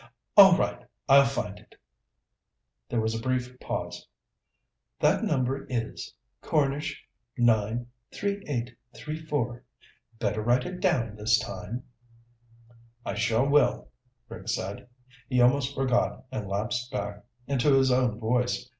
"All right. I'll find it." There was a brief pause. "That number is Cornish 9 3834. Better write it down this time." "I sure will," Rick said. He almost forgot and lapsed back into his own voice.